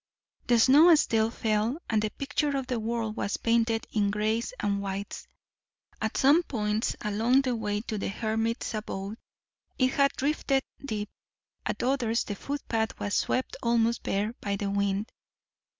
The snow still fell, and the picture of the world was painted in grays and whites. At some points along the way to the hermit's abode it had drifted deep; at others the foot path was swept almost bare by the wind.